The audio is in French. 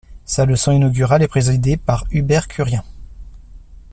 Sa leçon inaugurale est présidée par Hubert Curien.